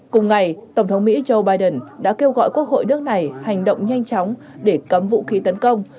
cùng ngày tổng thống mỹ joe biden đã kêu gọi quốc hội nước này hành động nhanh chóng để cấm vũ khí tấn công